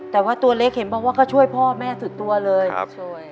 แต่ว่าตัวเล็กเห็นบอกว่าก็ช่วยพ่อแม่สุดตัวเลยช่วย